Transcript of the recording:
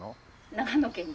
長野県で。